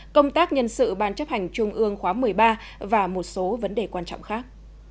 công tác nhân sự ban chấp hành trung ương khóa một mươi ba và một số vấn đề quan trọng khác